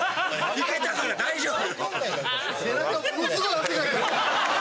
いけたから大丈夫！